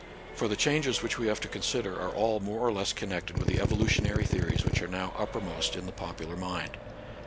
For the changes which we 10 NATURAL SCIENCE AND RELIGION. have to consider are all more or less connected with the evolutionary theories which are now uppermost in the popular mind.